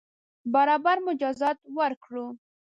برابر مجازات ورکړو.